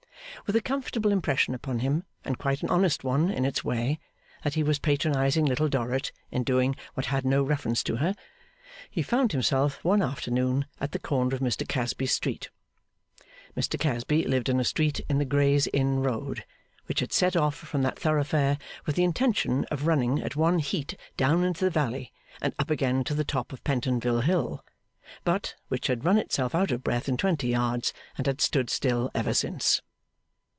With a comfortable impression upon him, and quite an honest one in its way, that he was still patronising Little Dorrit in doing what had no reference to her, he found himself one afternoon at the corner of Mr Casby's street. Mr Casby lived in a street in the Gray's Inn Road, which had set off from that thoroughfare with the intention of running at one heat down into the valley, and up again to the top of Pentonville Hill; but which had run itself out of breath in twenty yards, and had stood still ever since.